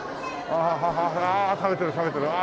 ああ食べてる食べてる。